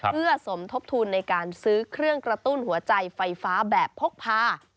เพื่อสมทบทุนในการซื้อเครื่องกระตุ้นหัวใจไฟฟ้าแบบพกพา